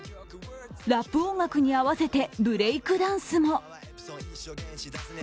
ラップ音楽に合わせてブレイクダンスも。